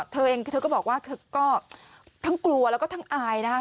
เธอเองเธอก็บอกว่าเธอก็ทั้งกลัวแล้วก็ทั้งอายนะ